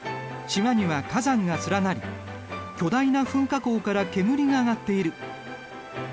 島には火山が連なり巨大な噴火口から煙が上がっている。